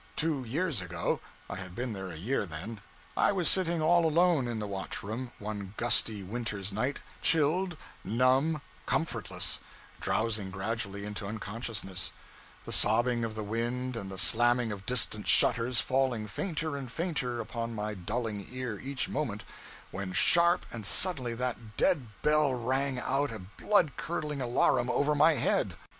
Two years ago I had been there a year then I was sitting all alone in the watch room, one gusty winter's night, chilled, numb, comfortless; drowsing gradually into unconsciousness; the sobbing of the wind and the slamming of distant shutters falling fainter and fainter upon my dulling ear each moment, when sharp and suddenly that dead bell rang out a blood curdling alarum over my head!